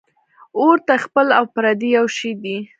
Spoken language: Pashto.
ـ اور ته خپل او پردي یو شی دی .